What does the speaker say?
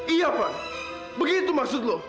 iya van begitu maksud kamu